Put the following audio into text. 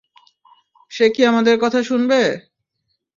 সে কি আমাদের কথা শুনবে?